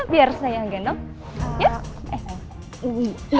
biar saya yang gendong